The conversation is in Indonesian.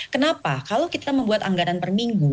kenapa kalau kita membuat anggaran perminggu